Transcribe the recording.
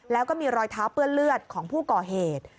แล้วก็มีรอยเท้าเปื้อนเลือดของผู้ก่อเหตุ